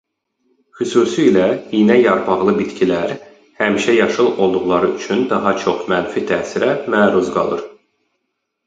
Xüsusi ilə iynəyarpaqlı bitkilər həmişəyaşıl olduqları üçün daha çox mənfi təsirə məruz qalır.